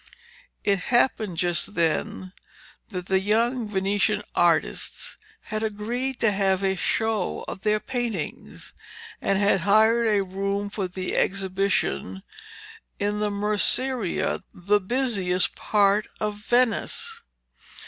It happened just then that the young Venetian artists had agreed to have a show of their paintings, and had hired a room for the exhibition in the Merceria, the busiest part of Venice.